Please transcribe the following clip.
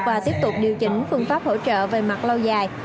và tiếp tục điều chỉnh phương pháp hỗ trợ về mặt lâu dài